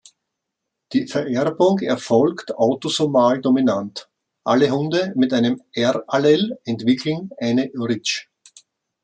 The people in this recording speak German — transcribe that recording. Die Vererbung erfolgt autosomal dominant: Alle Hunde mit einem R-Allel entwickeln einen Ridge.